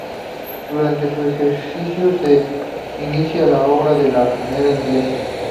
Durante su ejercicio se inició la obra de la primera iglesia.